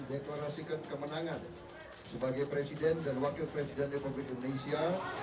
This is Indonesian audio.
mendeklarasikan kemenangan sebagai presiden dan wakil presiden depokrit indonesia